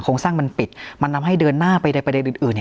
โครงสร้างมันปิดมันนำให้เดินหน้าไปได้ไปได้อื่น